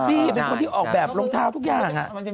คำสอบะแบบอ๋อทุกอย่างน่ะ